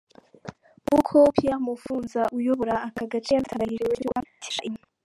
Nkuko Pierre Mufunza uyobora aka gace yabitangarije Radio Okapi dukesha iyi nkuru.